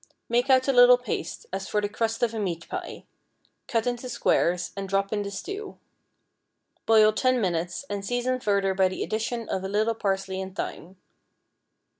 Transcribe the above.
Make out a little paste, as for the crust of a meat pie; cut into squares, and drop in the stew. Boil ten minutes, and season further by the addition of a little parsley and thyme.